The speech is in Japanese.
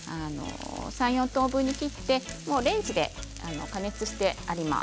３、４等分に切ってレンジで加熱してあります。